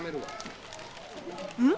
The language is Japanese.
うん？